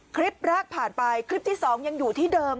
คลิปแรกผ่านไปคลิปที่๒ยังอยู่ที่เดิม